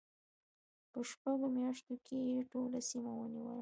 په شپږو میاشتو کې یې ټوله سیمه ونیوله.